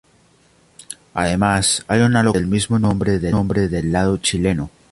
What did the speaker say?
Además, hay una localidad del mismo nombre del lado chileno.